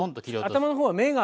頭の方は芽が。